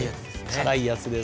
辛いやつです。